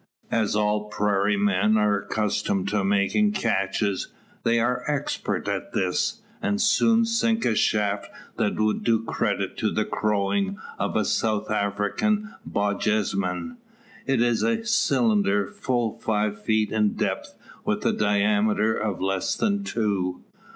As all prairie men are accustomed to making caches, they are expert at this; and soon sink a shaft that would do credit to the "crowing" of a South African Bosjesman. It is a cylinder full five feet in depth, with a diameter of less than two.